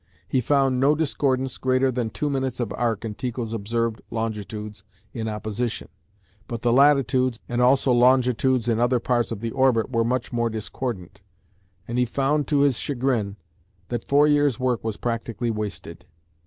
He found no discordance greater than two minutes of arc in Tycho's observed longitudes in opposition, but the latitudes, and also longitudes in other parts of the orbit were much more discordant, and he found to his chagrin that four years' work was practically wasted.